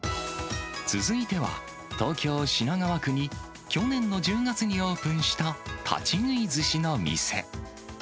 続いては、東京・品川区に去年の１０月にオープンした立ち食いずしの店。